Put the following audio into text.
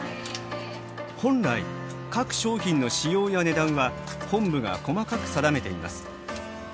本来各商品の仕様や値段は本部が細かく定めています。